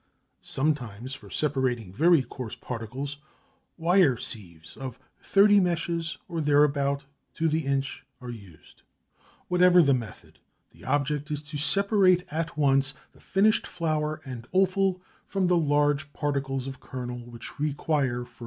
Sometimes for separating very coarse particles wire sieves of 30 meshes, or thereabouts, to the inch are used. Whatever the method the object is to separate at once the finished flour and offal from the large particles of kernel which require further grinding.